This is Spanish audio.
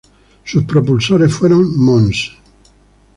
Sus propulsores fueron Mons.